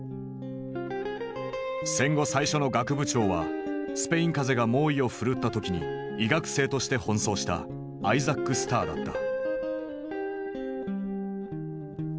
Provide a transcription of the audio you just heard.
戦後最初の学部長はスペイン風邪が猛威を振るった時に医学生として奔走したアイザック・スターだった。